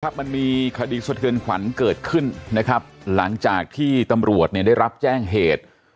มันมีคดีสะเทือนขวัญเกิดขึ้นนะครับหลังจากที่ตำรวจเนี่ยได้รับแจ้งเหตุ